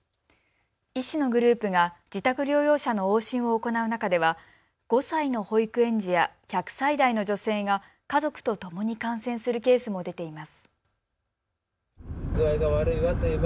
医師のグループが自宅療養者の往診を行う中では５歳の保育園児や１００歳代の女性が家族とともに感染するケースも出ています。